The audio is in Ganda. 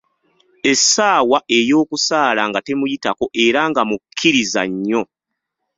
Essaawa ey'okusaala nga temuyitako era nga mukkiriza nnyo.